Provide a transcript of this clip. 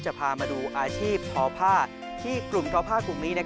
จะพามาดูอาชีพพพที่กลุ่มเกาพกนี้